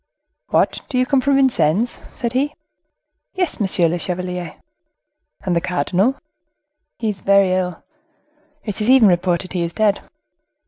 "What, do you come from Vincennes?" said he. "Yes, monsieur le chevalier." "And the cardinal?" "Is very ill; it is even reported he is dead."